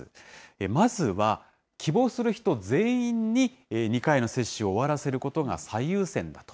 まずは希望する人全員に２回の接種を終わらせることが最優先だと。